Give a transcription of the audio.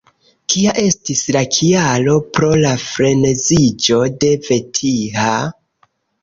Kia estis la kialo pro la freneziĝo de Vetiha?